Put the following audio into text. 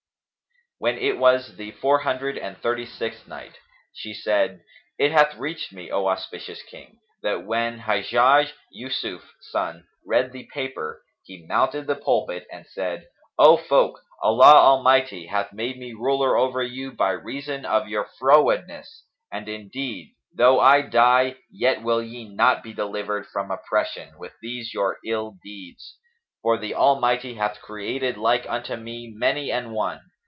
When it was the Four Hundred and Thirty sixth Night, She said, It hath reached me, O auspicious King, that when Hajjaj Yousuf son read the paper he mounted the pulpit and said, "O folk, Allah Almighty hath made me ruler over you by reason of your frowardness; and indeed, though I die yet will ye not be delivered from oppression, with these your ill deeds; for the Almighty hath created like unto me many an one.